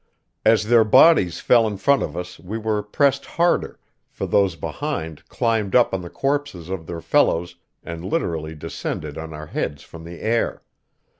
As their bodies fell in front of us we were pressed harder, for those behind climbed up on the corpses of their fellows and literally descended on our heads from the air.